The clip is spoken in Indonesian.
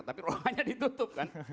tapi ruangannya ditutup kan